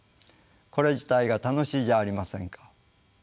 これ自体が楽しいじゃありませんか。